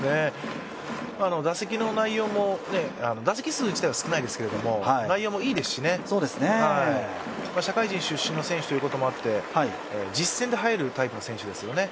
打席の内容も、打席数自体は少ないですけど内容もいいですし、社会人出身の選手ということもあって実戦で入るタイプの選手ですよね。